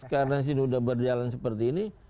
karena sudah berjalan seperti ini